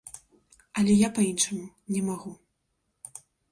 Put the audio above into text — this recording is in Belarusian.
Але я па-іншаму не магу.